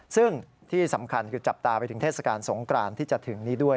ซึ่งที่สำคัญคือจับตาไปถึงเทศกาลสงกรานที่จะถึงนี้ด้วย